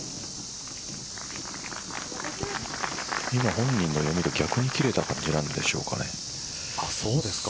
本人の読みと逆に切れた感じなんでしょうかね。